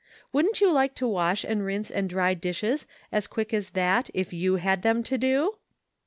Wouldn't you like to wash and rinse and dry dishes as quick as that if you had them to do